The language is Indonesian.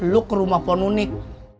lo ke rumah ponunik